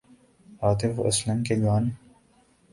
عاطف اسلم کے گان